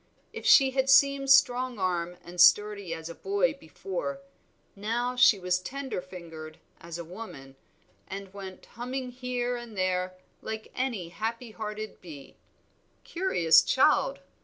If she had seemed strong armed and sturdy as a boy before, now she was tender fingered as a woman, and went humming here and there like any happy hearted bee. "Curious child!"